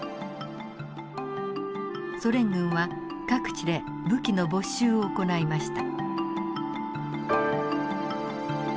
ソ連軍は各地で武器の没収を行いました。